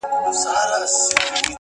د ژوند لار په قدمونو جوړیږي!.